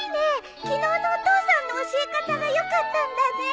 昨日のお父さんの教え方がよかったんだね。